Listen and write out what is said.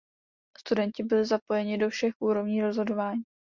Studenti byli zapojeni do všech úrovní rozhodování.